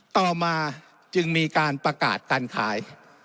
ต่อมาจึงมีการประกาศการขาย